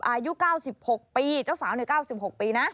อายุ๙๖ปีเจ้าสาวใน๙๖ปีนะ